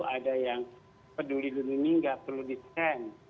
ada yang peduli dunia ini tidak perlu di scan